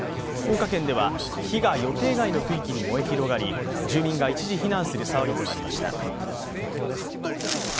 福岡県では、火が予定外の区域に燃え広がり、住民が一時避難する騒ぎとなりました。